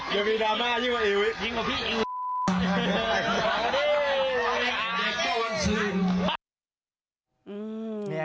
ยังมีดราม่ายิ่งกว่าพี่